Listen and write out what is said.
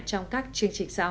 trong các chương trình sau